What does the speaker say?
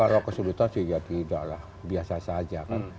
kalau kesulitan sih ya tidak lah biasa saja kan